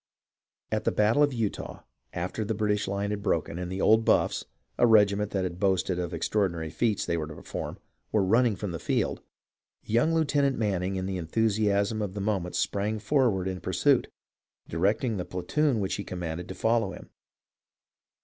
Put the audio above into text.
At the battle of Eutaw, after the British line had broken, and the 0/d B/zj^s (British), a regiment that had boasted of the extraordinary feats they were to perform, were run ning from the field, young Lieutenant Manning in the enthusiasm of the moment sprang forward in pursuit, directing the platoon which he commanded to follow him.